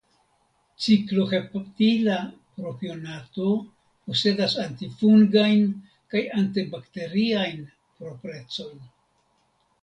Cikloheptila propionato posedas antifungajn kaj antibakteriajn proprecojn.